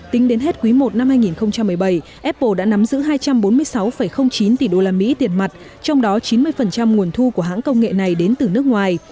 tính đến hết quý i năm hai nghìn một mươi bảy apple đã nắm giữ hai trăm bốn mươi sáu chín tỷ usd tiền mặt trong đó chín mươi nguồn thu của hãng công nghệ này đến từ nước ngoài